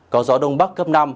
có gió đông bắc cấp năm